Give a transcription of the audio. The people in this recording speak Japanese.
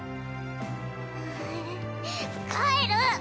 帰る！